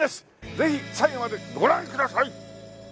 ぜひ最後までご覧ください！